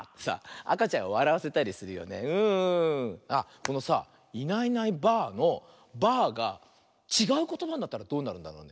このさ「いないいないばあ！」の「ばあ」がちがうことばになったらどうなるんだろうね？